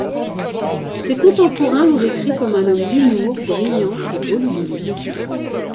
Ses contemporains l'ont décrit comme un homme d'humour, brillant et volubile.